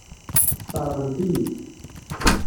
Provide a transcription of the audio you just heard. Sseṛɣent-iyi-t.